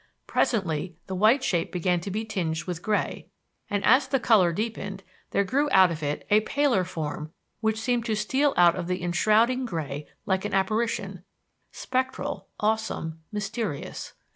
Presently the white shape began to be tinged with gray, and, as the color deepened, there grew out of it a paler form that seemed to steal out of the enshrouding gray like an apparition, spectral, awesome, mysterious.